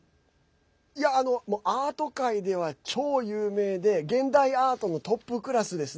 アート界では超有名で現代アートのトップクラスですね。